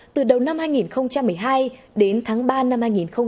từ đầu năm hai nghìn một mươi hai đến tháng ba năm hai nghìn một mươi ba